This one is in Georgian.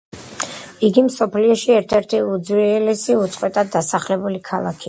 იგი მსოფლიოში ერთ-ერთი უძველესი უწყვეტად დასახლებული ქალაქია.